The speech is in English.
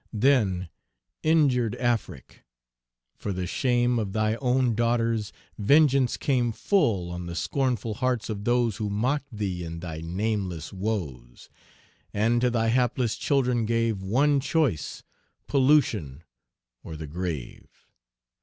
Then, injured Afric! for the shame Of thy own daughters, vengeance came Full on the scornful hearts of those Who mocked thee in thy nameless woes, Page 361 And to thy hapless children gave One choice, pollution, or the grave!